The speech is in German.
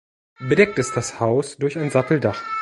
Bedeckt ist das Haus durch ein Satteldach.